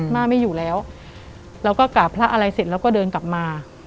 ไม่อยู่แล้วเราก็กราบพระอะไรเสร็จแล้วก็เดินกลับมา